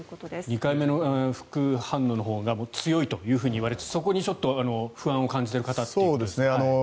２回目の副反応のほうが強いというふうに言われていてそこに不安を感じている方。